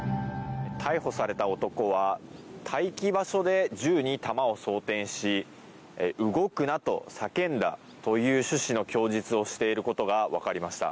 逮捕された男は待機場所で銃に弾を装填し動くなと叫んだという趣旨の供述をしていることが分かりました。